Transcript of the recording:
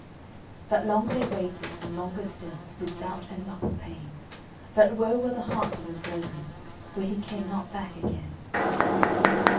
But long they waited, and longer still, With doubt and muckle pain, But woe were the hearts of his brethren, For he came not back again.